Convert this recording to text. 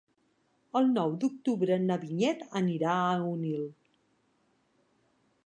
El nou d'octubre na Vinyet anirà a Onil.